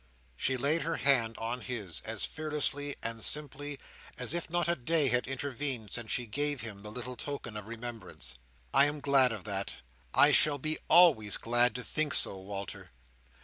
She laid her hand on his, as fearlessly and simply, as if not a day had intervened since she gave him the little token of remembrance. "I am glad of that. I shall be always glad to think so, Walter.